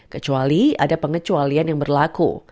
kecuali ada pengecualian yang berlaku